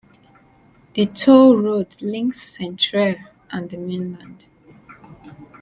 A toll road links Centrair and the mainland.